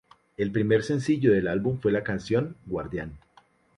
El primer sencillo del álbum fue la canción "Guardian".